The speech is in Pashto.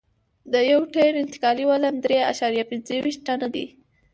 د یو ټیر انتقالي وزن درې اعشاریه پنځه ویشت ټنه دی